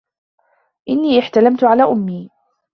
إنِّي احْتَلَمْتُ عَلَى أُمِّي